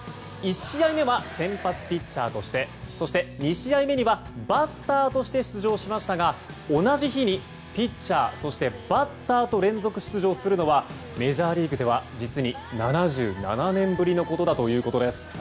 １試合目は先発ピッチャーとしてそして２試合目にはバッターとして出場しましたが同じ日にピッチャー、そしてバッターと連続出場するのはメジャーリーグでは実に７７年ぶりのことだということです。